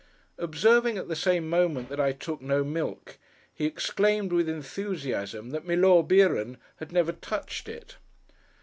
Observing, at the same moment, that I took no milk, he exclaimed with enthusiasm, that Milor Beeron had never touched it.